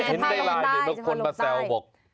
ผมเห็นได้ไลน์เห็นบางคนมาแซวบอก